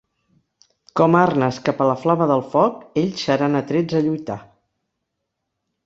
Com arnes cap a la flama del foc ells seran atrets a lluitar.